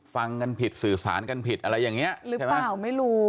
ฟังกันผิดสื่อสารกันผิดอะไรอย่างนี้หรือเปล่าไม่รู้